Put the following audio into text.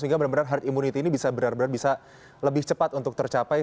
sehingga benar benar heart immunity ini bisa lebih cepat untuk tercapai